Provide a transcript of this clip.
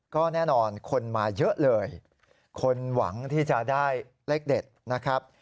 ก็แน่นอนคนมาเยอะเลยคนหวังที่จะได้เลขเด็ดนะครับ